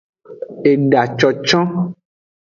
Eda concon.